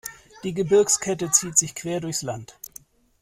Die Gebirgskette zieht sich quer durchs Land.